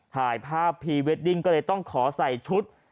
ถ่ายภาพพรีเวดดิ้งก็เลยต้องขอใส่ชุด